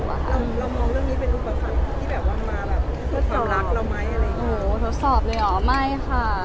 เรามองเรื่องนี้เป็นอุปกรณ์ที่วางมากับความรักเราไหม